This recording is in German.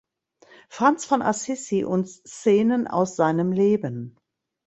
Franz von Assisi und Szenen aus seinem Leben.